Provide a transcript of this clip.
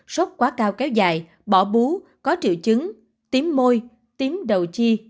sốc quá cao kéo dài bỏ bú có triệu chứng tím môi tím đầu chi